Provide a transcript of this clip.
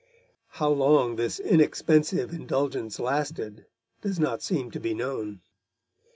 How long this inexpensive indulgence lasted does not seem to be known.